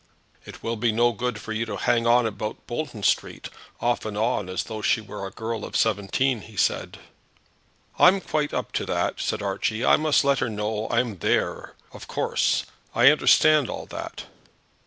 "It will be no good for you to hang on about Bolton Street, off and on, as though she were a girl of seventeen," he said. "I'm quite up to that," said Archie. "I must let her know I'm there of course. I understand all that."